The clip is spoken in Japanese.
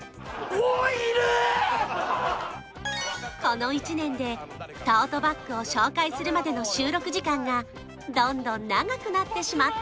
この１年でトートバッグを紹介するまでの収録時間がどんどん長くなってしまったんです